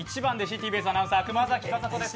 ＴＢＳアナウンサー、熊崎風斗です。